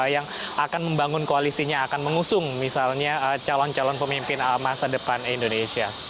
yang akan membangun koalisinya akan mengusung misalnya calon calon pemimpin masa depan indonesia